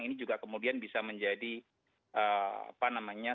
ini juga kemudian bisa menjadi apa namanya